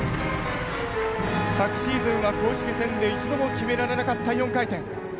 昨シーズンは公式戦で一度も決められなかった４回転。